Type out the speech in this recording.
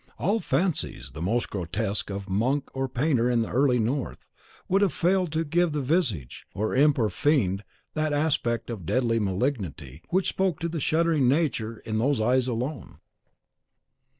All fancies, the most grotesque, of monk or painter in the early North, would have failed to give to the visage of imp or fiend that aspect of deadly malignity which spoke to the shuddering nature in those eyes alone.